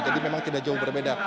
jadi memang tidak jauh berbeda